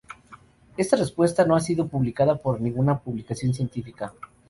Esta respuesta no ha sido publicada por ninguna publicación científica.